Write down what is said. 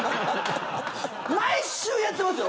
毎週やってますよ